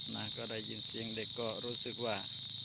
มาก็ได้ยินเสียงเด็กก็รู้สึกว่า